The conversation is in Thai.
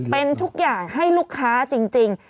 เป็นทุกอย่างให้ลูกค้าจริง